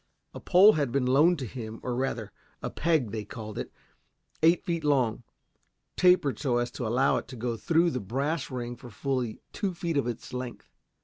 A pole had been loaned to him, or rather a "peg," they called it, eight feet long, tapered so as to allow it to go through the brass ring for fully two feet of its length.